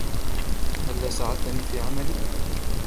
هلّا ساعدتني في عملي ؟